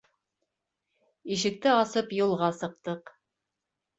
Ишекте асып юлға сыҡтыҡ.